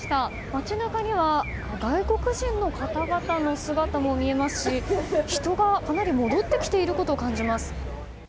街中には、外国人の方々の姿も見えますし人がかなり戻ってきていることを感じます。